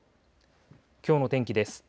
きょうの天気です。